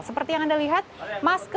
seperti yang anda lihat